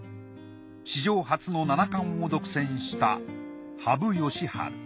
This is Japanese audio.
史上初の７冠を独占した羽生善治。